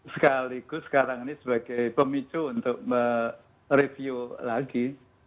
sekaligus sekarang ini sebagai pemicu untuk mereview lagi